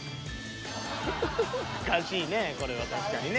おかしいねこれは確かにね。